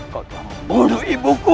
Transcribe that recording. kau yang membunuh ibuku